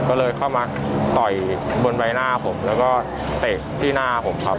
ก็เลยเข้ามาต่อยบนใบหน้าผมแล้วก็เตะที่หน้าผมครับ